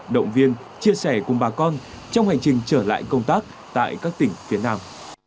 động viên chia sẻ cùng bà con trong hành trình trở lại công tác tại các tỉnh phía nam